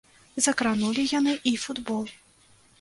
Закранулі яны і футбол.